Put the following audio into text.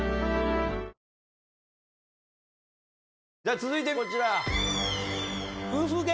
続いてこちら。